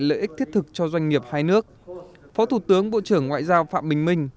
lợi ích thiết thực cho doanh nghiệp hai nước phó thủ tướng bộ trưởng ngoại giao phạm bình minh